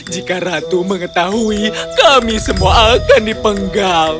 jika ratu mengetahui kami semua akan dipenggal